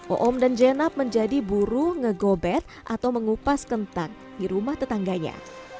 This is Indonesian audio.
oom dan jenab menjadi buru ngegobet atau mengupas kentang di rumah tetangganya